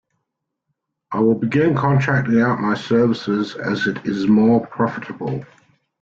I will begin contracting out my services as it is more profitable.